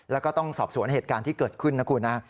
แล้วก็ต้องสอบสวนเหตุการณ์ที่เกิดขึ้นนะคุณนะ